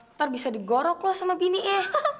ntar bisa digorok lu sama bininya